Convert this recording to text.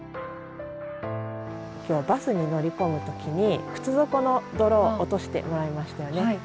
今日バスに乗り込む時に靴底の泥落としてもらいましたよね。